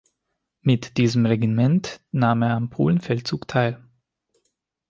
Mit diesem Regiment nahm er am Polenfeldzug teil.